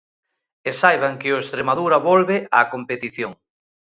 E saiban que o Estremadura volve á competición.